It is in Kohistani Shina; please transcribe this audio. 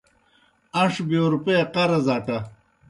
ان٘ݜ بِیو روپیئے قرض اٹہ۔